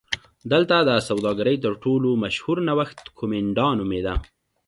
دلته د سوداګرۍ تر ټولو مشهور نوښت کومېنډا نومېده